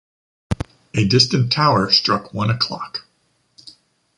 A distant tower struck one o’clock.